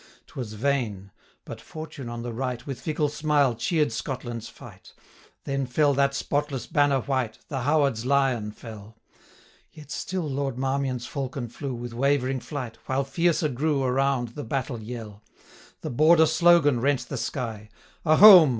'Twas vain: But Fortune, on the right, With fickle smile, cheer'd Scotland's fight. 805 Then fell that spotless banner white, The Howard's lion fell; Yet still Lord Marmion's falcon flew With wavering flight, while fiercer grew Around the battle yell. 810 The Border slogan rent the sky! A Home!